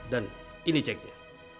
dan ini ceknya